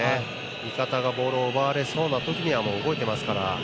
味方がボールを奪われそうな時は動いてますから。